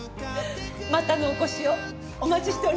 またのお越しをお待ちしております。